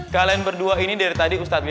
gue beli apa dek